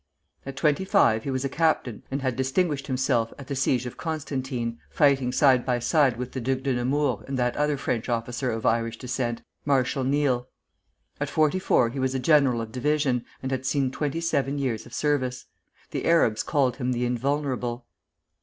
At twenty five he was a captain and had distinguished himself at the siege of Constantine, fighting side by side with the Duc de Nemours and that other French officer of Irish descent, Marshal Niel. At forty four he was a general of division, and had seen twenty seven years of service. The Arabs called him the Invulnerable.